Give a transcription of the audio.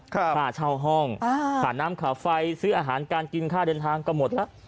ค่าเช่าห้องค่าน้ำค่าไฟซื้ออาหารการกินค่าเดินทางก็หมดแล้ว